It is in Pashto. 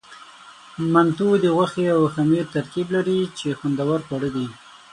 منتو د غوښې او خمیر ترکیب لري، چې خوندور خواړه دي.